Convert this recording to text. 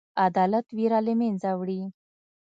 عادت ویره له منځه وړي.